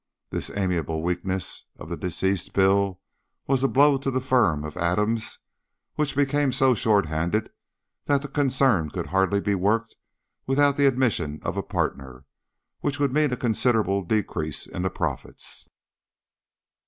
This amiable weakness of the deceased Bill was a blow to the firm of Adams, which became so short handed that the concern could hardly be worked without the admission of a partner, which would mean a considerable decrease in the profits.